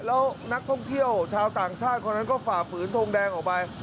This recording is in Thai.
แล้วนักท่องเที่ยวชาวต่างชาติเวรือฝ่าฝืนทรงแดงหลังออกไป